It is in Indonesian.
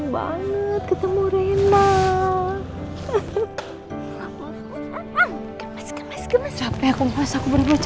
balon biru itu apa sih pak